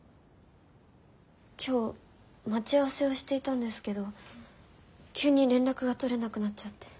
今日待ち合わせをしていたんですけど急に連絡が取れなくなっちゃって。